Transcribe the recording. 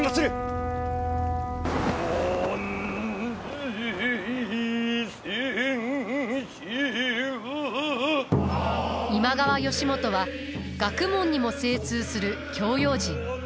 万歳千秋今川義元は学問にも精通する教養人。